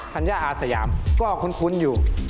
ธัญญาอาชยามาก็ค้นคุ้นอยู่